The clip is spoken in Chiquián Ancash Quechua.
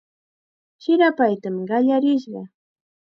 Chirapaytam qallarishqa.